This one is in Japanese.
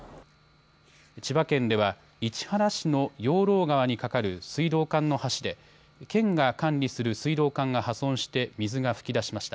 千葉県では市原市の養老川に架かる水道管の橋で県が管理する水道管が破損して水が噴き出しました。